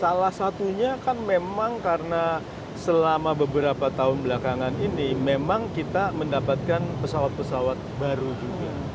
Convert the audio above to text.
salah satunya kan memang karena selama beberapa tahun belakangan ini memang kita mendapatkan pesawat pesawat baru juga